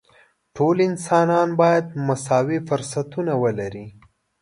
ټول انسانان باید مساوي فرصتونه ولري.